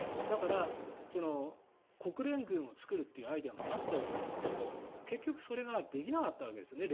だから、国連軍を作るというアイデアもあったようですが、結局それができなかったわけです。